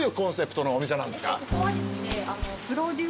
ここはですね。